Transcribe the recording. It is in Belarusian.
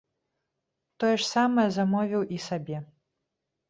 Тое ж самае замовіў і сабе.